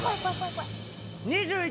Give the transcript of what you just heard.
２１！